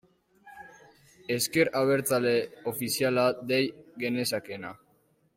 Ezker Abertzale ofiziala dei genezakeena.